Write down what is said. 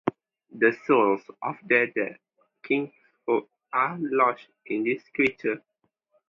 The souls of their dead kinsfolk are lodged in these creatures.